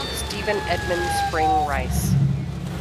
Stephen Edmund Spring Rice.